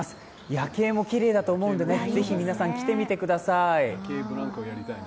夜景もきれいだと思うのでぜひ皆さん、来てみてください。